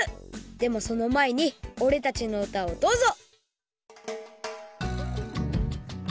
でもそのまえにおれたちのうたをどうぞ！